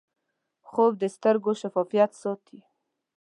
خوب د سترګو شفافیت ساتي